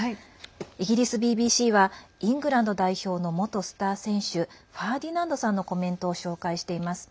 イギリスＢＢＣはイングランド代表の元スター選手ファーディナンドさんのコメントを紹介しています。